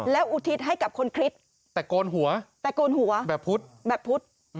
แล้วอุทิศให้กับคนคริสต์แตกโกนหัวแบบพุทธ